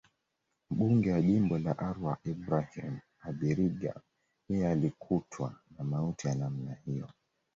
Mbunge wa Jimbo la Arua Ibrahim Abiriga yeye alikutwa na mauti ya namna hiyo